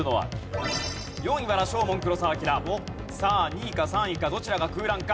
さあ２位か３位かどちらが空欄か？